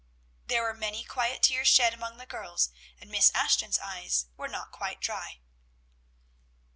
There were many quiet tears shed among the girls, and Miss Ashton's eyes were not quite dry.